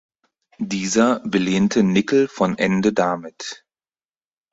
Dieser belehnte Nickel von Ende damit.